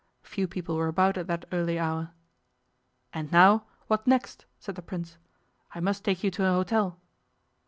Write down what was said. Few people were about at that early hour. 'And now, what next?' said the Prince. 'I must take you to an hotel.